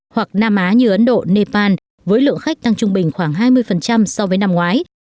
hoặc nam á như ấn độ nepal với lượng khách tăng trung bình khoảng hai mươi so với năm ngoái